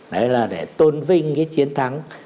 đấy là để tôn vinh chiến thắng